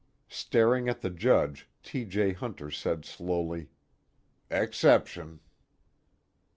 Staring at the Judge, T. J. Hunter said slowly: "Exception."